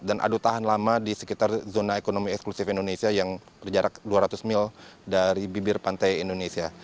dan adu tahan lama di sekitar zona ekonomi eksklusif indonesia yang berjarak dua ratus mil dari bibir pantai indonesia